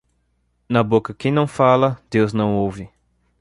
Na boca que não fala, Deus não ouve.